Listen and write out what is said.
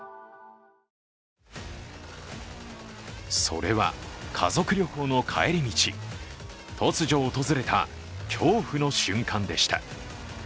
それは家族旅行の帰り道突如、訪れた恐怖の瞬間でした。